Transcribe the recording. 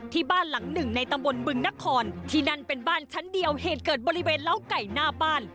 ที่บ้านหลังหนึ่งในตำบลบึงนครที่นั่นเป็นบ้านชั้นเดียวเหตุเกิดบริเวณเล้าไก่หน้าบ้าน